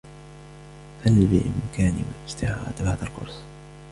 هل بإمكاني استعارة هذا القرص ؟